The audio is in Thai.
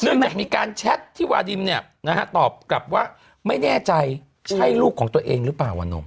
เนื่องจากมีการแชทที่วาดิมตอบกลับว่าไม่แน่ใจใช่ลูกของตัวเองหรือเปล่าว่านม